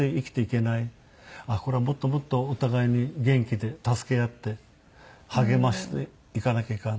これはもっともっとお互いに元気で助け合って励ましていかなきゃいかん。